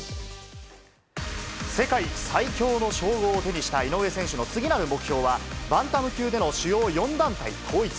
世界最強の称号を手にした井上選手の次なる目標は、バンタム級での主要４団体統一。